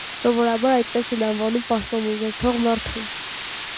Սովորաբար այդպես են անվանում պաշտոն ունեցող մարդուն։